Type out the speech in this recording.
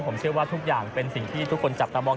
ผมเชื่อว่าทุกอย่างเป็นสิ่งที่ทุกคนจับตามอง